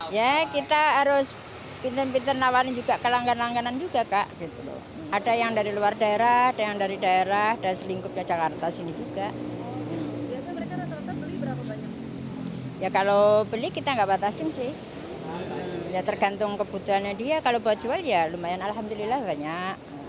ya tergantung kebutuhannya dia kalau buat jual ya lumayan alhamdulillah banyak